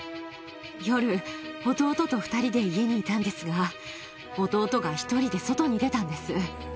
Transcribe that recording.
夜、弟と２人で家にいたんですが、弟が１人で外に出たんです。